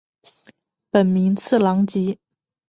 本名次郎吉。